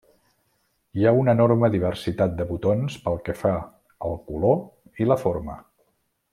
Hi ha una enorme diversitat de botons pel que fa al color i la forma.